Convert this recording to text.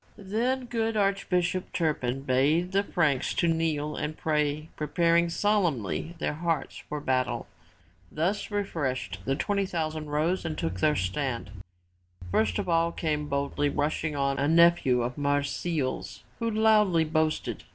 Then good Archbishop Turpin bade the Franks to kneel and pray preparing solemnly their hearts for battle. Thus refreshed the twenty thousand rose and took their stand. First of all came boldly rushing on, a nephew of Marsile's who loudly boasted.